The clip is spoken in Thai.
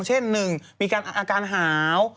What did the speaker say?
เช่นหนึ่งมีอาการหาว